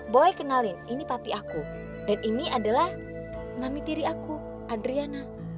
boy kenalin ini papi aku dan ini adalah namitiri aku adriana